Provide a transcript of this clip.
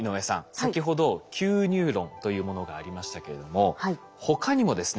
先ほどＱニューロンというものがありましたけれども他にもですね